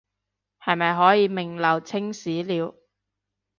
是咪可以名留青史了